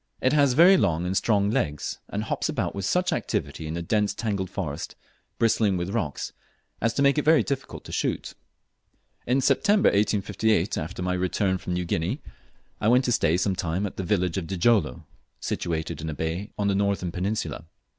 It has very long and strong legs, and hops about with such activity in the dense tangled forest, bristling with rocks, as to make it very difficult to shoot. In September 1858, after my return from New Guinea, I went to stay some time at the village of Djilolo, situated in a bay on the northern peninsula.